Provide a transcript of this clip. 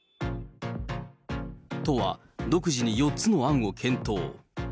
都は独自に４つの案を検討。